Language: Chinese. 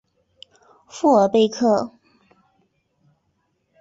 富尔贝克。